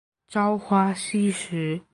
朝花夕拾